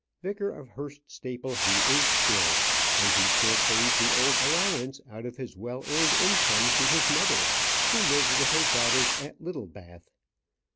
Vicar of Hurst Staple he is still, and he still pays the old allowance out of his well earned income to his mother, who lives with her daughters at Littlebath.